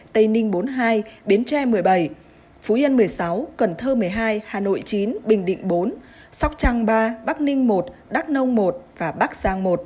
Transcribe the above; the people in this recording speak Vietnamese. tây ninh bốn mươi hai bến tre một mươi bảy phú yên một mươi sáu cần thơ một mươi hai hà nội chín bình định bốn sóc trăng ba bắc ninh một đắk nông một và bắc giang một